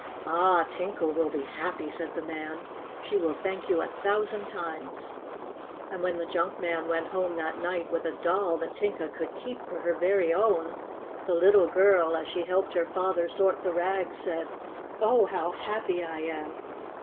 "Ah, Tinka will be happy!" said the man. "She will thank you a thousand times!" And when the junk man went home that night with a doll that Tinka could keep A HAPPY VISIT 107 for her very own, the little girl, as she helped her father sort the rags, saic i "Oh., how happy I am!